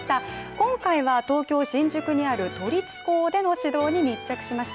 今回は東京・新宿にある都立高での指導に密着しました。